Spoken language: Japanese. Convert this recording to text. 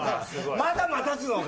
まだ待たすのか。